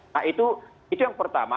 nah itu yang pertama